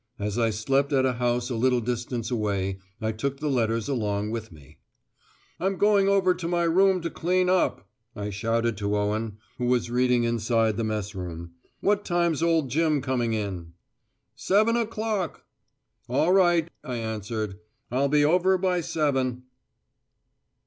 As I slept at a house a little distance away, I took the letters along with me. "I'm going over to my room to clean up," I shouted to Owen, who was reading inside the Mess room. "What time's old Jim coming in?" "Seven o'clock!" "All right," I answered. "I'll be over by seven."